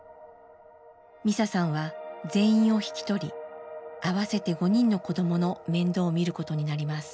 ミサさんは全員を引き取り合わせて５人の子どもの面倒を見ることになります。